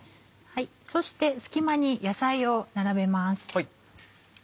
そして隙間に野菜を並べます。